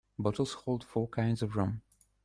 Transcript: Bottles hold four kinds of rum.